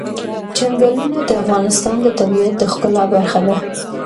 چنګلونه د افغانستان د طبیعت د ښکلا برخه ده.